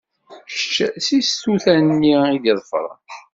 Kečč si tsuta-nni i d-iḍefren.